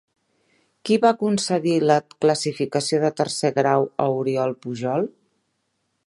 Qui va concedir la classificació de tercer grau a Oriol Pujol?